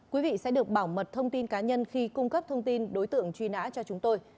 quý vị sẽ được bảo mật thông tin cá nhân khi cung cấp thông tin đối tượng truy nã cho chúng tôi